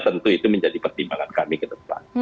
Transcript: tentu itu menjadi pertimbangan kami ke depan